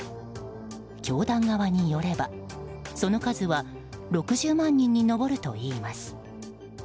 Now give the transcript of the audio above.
教団側によれば、その数は６０万人に上るといいます。